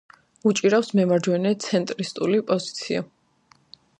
უჭირავს მემარჯვენე–ცენტრისტული პოზიცია.